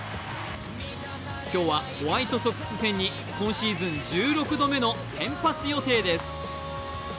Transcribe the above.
今日はホワイトソックス戦に今シーズン１６度目の先発予定です。